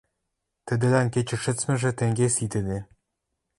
Тӹдӹлӓн кечӹ шӹцмӹжӹ тенге ситӹде.